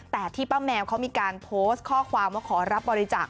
แต่ที่ป้าแมวเขามีการโพสต์ข้อความว่าขอรับบริจาค